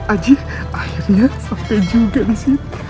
aji akhirnya selesai juga di sini